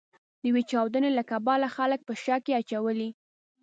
د یوې چاودنې له کبله خلک په شک کې اچولي.